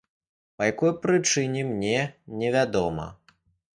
Па якой прычыне, мне не вядома.